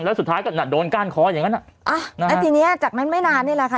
แล้วสุดท้ายก็น่ะโดนก้านคออย่างนั้นอ่ะแล้วทีเนี้ยจากนั้นไม่นานนี่แหละค่ะ